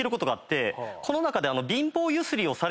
この中で。